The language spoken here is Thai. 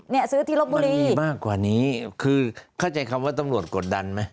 เนี่ยซื้อที่ลบบุรีมีมากกว่านี้คือเข้าใจคำว่าตำรวจกดดันไหม